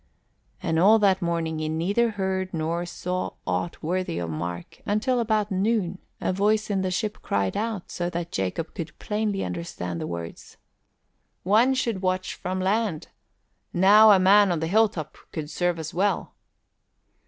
And all that morning he neither heard nor saw aught worthy of mark until about noon a voice in the ship cried out so that Jacob could plainly understand the words, "One should watch from land. Now a man on the hilltop could serve us well."